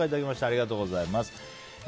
ありがとうございます。